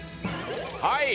はい。